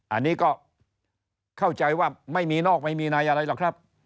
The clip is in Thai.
อันนี้ก็เข้าใจว่าไม่มีนอกไม่มีในอะไรหรอกครับ